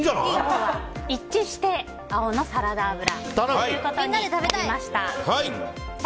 一致して青のサラダ油となりました。